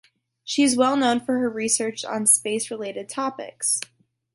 She is well known for her research on space related topics.